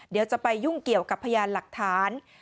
เดี๋ยวจะไปยุ่งเกี่ยวกับพยานหลักฐาน